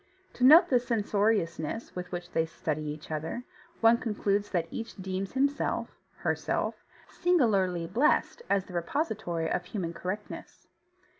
To note the censoriousness with which they study each other, one concludes that each deems himself (herself) singularly blessed as the repository of human correctness.